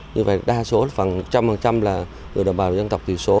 như vậy đa số phần một trăm linh là người lao động dân tộc thiểu số